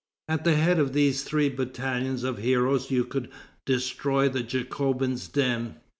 At the head of these three battalions of heroes you could destroy the Jacobins' den.'